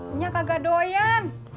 uya kagak doyan